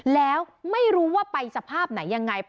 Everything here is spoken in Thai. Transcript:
แล้วไม่รู้ว่าไปสภาพไหนยังไง